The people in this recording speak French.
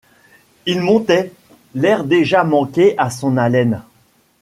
Il montait ; l'air déjà manquait à son haleine ;